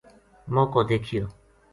موقعو دیکھیو